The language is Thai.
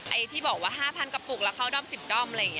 ไอที่บอกว่า๕๐๐๐กระปุกแล้วเข้าด้อม๑๐ด้อม